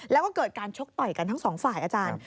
แล้วก็เกิดการชกต่อยกันทั้งสองฝ่ายอาจารย์